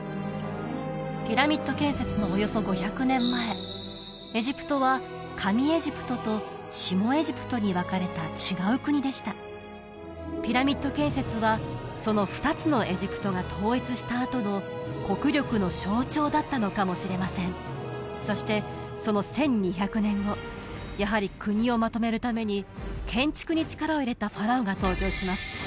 ピラミッド建設のおよそ５００年前エジプトは上エジプトと下エジプトに分かれた違う国でしたピラミッド建設はその２つのエジプトが統一したあとの国力の象徴だったのかもしれませんそしてその１２００年後やはり国をまとめるために建築に力を入れたファラオが登場します